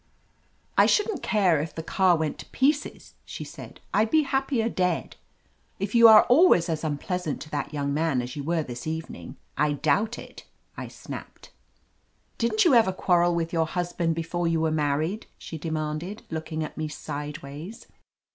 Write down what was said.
"I shouldn't care if the car went to pieces," she said. "I'd be happier dead." "If you are always as unpleasant to that young man as you were this evening, I doubt it," I snapped. 252 LETITIA CARBERRY "Didn't you ever quarrel with your husband before you were married?" she demanded, looking at me sideways.